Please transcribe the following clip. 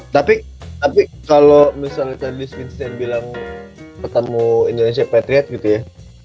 tapi kalo misalnya tadi vincent bilang ketemu indonesian patriots gitu ya